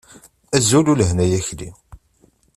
Azul ulehna ay Akli!